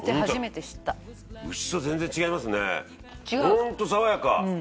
ホント爽やか。